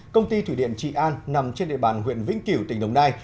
công ty thủy điện trị an nằm trên địa bàn huyện vĩnh kiểu tỉnh đồng nai